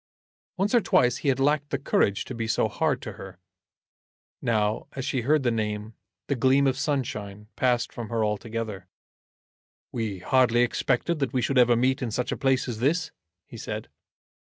Once or twice he had lacked the courage to be so hard to her. Now as she heard the name the gleam of sunshine passed from her altogether. "We hardly expected that we should ever meet in such a place as this?" he said.